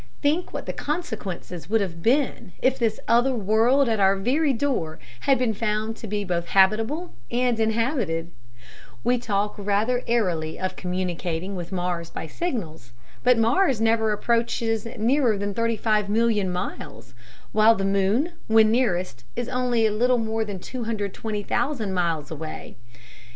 Think what the consequences would have been if this other world at our very door had been found to be both habitable and inhabited! We talk rather airily of communicating with Mars by signals; but Mars never approaches nearer than 35,000,000 miles, while the moon when nearest is only a little more than 220,000 miles away.